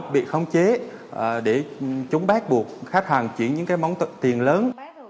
bị khống chế để chúng bác buộc khách hàng chuyển những món tiền lớn